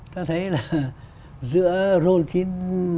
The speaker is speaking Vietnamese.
tôi thấy là giữa roll chín mươi hai